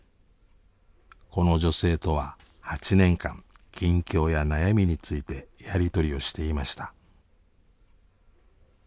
この女性とは８年間近況や悩みについてやり取りをしていました。